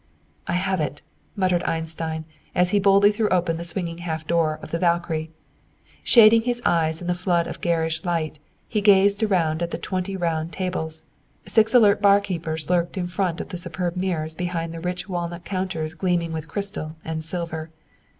"I have it," muttered Einstein, as he boldly threw open the swinging half door of the "Valkyrie." Shading his eyes in the flood of garish light, he gazed around at the twenty round tables. Six alert barkeepers lurked in front of the superb mirrors behind the rich walnut counters gleaming with crystal and silver.